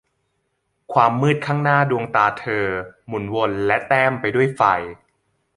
ความมืดข้างหน้าดวงตาเธอหมุนวนและแต้มไปด้วยไฟ